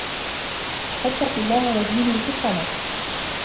فَاتَّقُوا اللَّهَ وَأَجْمِلُوا فِي الطَّلَبِ